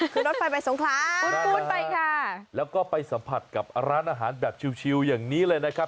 คือรถไฟไปสงขลาคุ้นไปค่ะแล้วก็ไปสัมผัสกับร้านอาหารแบบชิวอย่างนี้เลยนะครับ